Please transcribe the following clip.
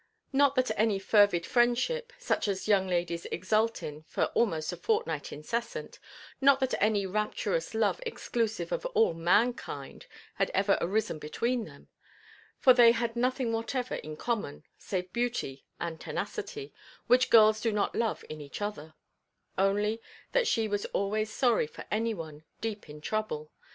Not that any fervid friendship, such as young ladies exult in for almost a fortnight incessant, not that any rapturous love exclusive of all _man_kind had ever arisen between them, for they had nothing whatever in common, save beauty and tenacity, which girls do not love in each other: only that she was always sorry for any one deep in trouble.